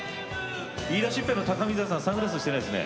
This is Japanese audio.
言いだしっぺの高見沢さんサングラスしてないですね。